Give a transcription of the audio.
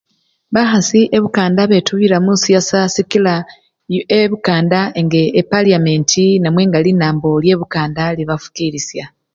Bakhasi ebukanda betubila musiyasa sikila yu! ebukanda nga epaliamentii namwe nga linambo lyebukanda libafukilisya.